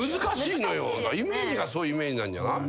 イメージがそういうイメージなんじゃない。